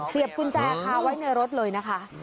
เสียบกุญแจคาไว้ในรถเลยนะคะ